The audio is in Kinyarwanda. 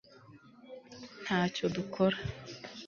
ntacyo dukora